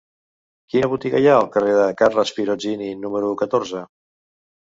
Quina botiga hi ha al carrer de Carles Pirozzini número catorze?